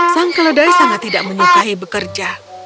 sang keledai sangat tidak menyukai bekerja